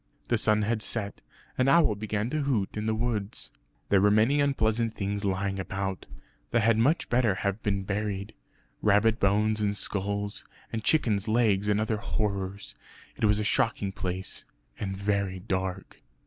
The sun had set; an owl began to hoot in the wood. There were many unpleasant things lying about, that had much better have been buried; rabbit bones and skulls, and chickens' legs and other horrors. It was a shocking place, and very dark.